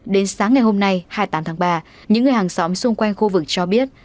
đến sáng ngày hôm nay hai mươi tám tháng ba những người hàng xóm xung quanh khu vực cho biết